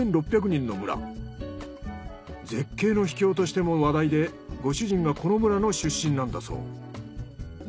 絶景の秘境としても話題でご主人がこの村の出身なんだそう。